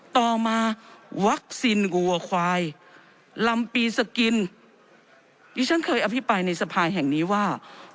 ต่อมาวัคซีนวัวควายลำปีสกินดิฉันเคยอภิปรายในสภาแห่งนี้ว่า